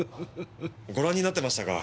ご覧になってましたか教授も。